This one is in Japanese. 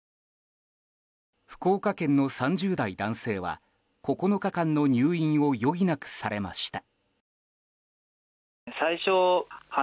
福岡県の３０代男性は９日間の入院を余儀なくされました。